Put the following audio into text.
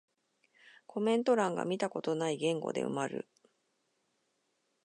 コメント欄が見たことない言語で埋まる